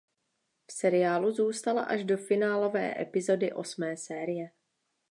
V seriálu zůstala až do finálové epizody osmé série.